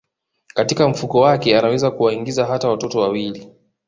Katika mfuko wake anaweza kuwaingiza hata watoto wawili